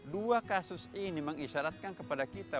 dua kasus ini mengisyaratkan kepada kita